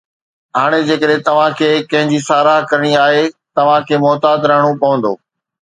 هاڻي جيڪڏهن توهان کي ڪنهن جي ساراهه ڪرڻي آهي، توهان کي محتاط رهڻو پوندو